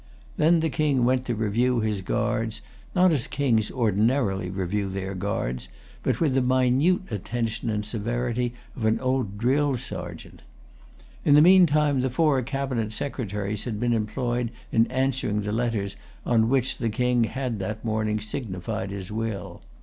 Then the King went to review his guards, not as kings ordinarily review their guards, but with the minute attention and severity of an old drill sergeant. In the meantime the four cabinet secretaries had been employed in answering the letters on which the King had that morning signified his will.